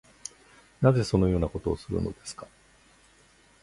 なぜそのようなことをするのですか